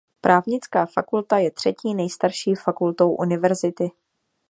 Právnická fakulta je třetí nejstarší fakultou univerzity.